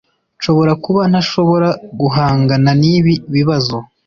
Nshobora kuba ntashobora guhangana nibi bibazo.